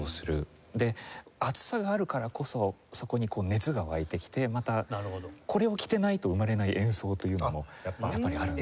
で暑さがあるからこそそこに熱が湧いてきてまたこれを着ていないと生まれない演奏というのもやっぱりあるんです。